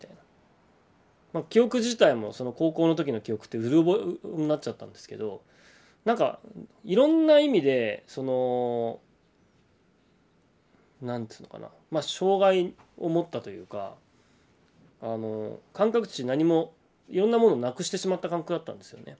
記憶自体もその高校の時の記憶ってうろ覚えになっちゃったんですけどなんかいろんな意味でその何ていうのかな障害を持ったというか感覚値何もいろんなものをなくしてしまった感覚だったんですよね。